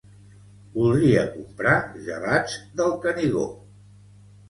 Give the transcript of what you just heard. Voldria comprar gelats del Canigó